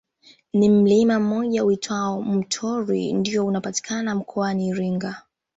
Ni mlima mmoja uitwao Mtorwi ndiyo unapatikana mkoani Iringa